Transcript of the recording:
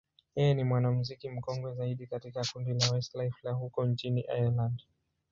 yeye ni mwanamuziki mkongwe zaidi katika kundi la Westlife la huko nchini Ireland.